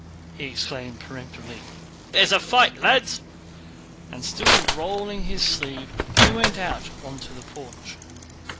he exclaimed peremptorily. "There's a fight, lads!" And, still rolling up his sleeve, he went out to the porch.